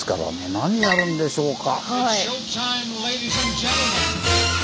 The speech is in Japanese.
何やるんでしょうか？